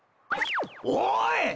おい！